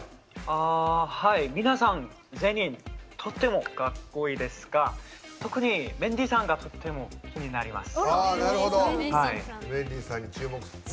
皆さん、全員とってもかっこいいですが特にメンディーさんがとっても気になります。